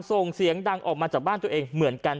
ส่งเสียงดังออกมาจากบ้านตัวเองเหมือนกัน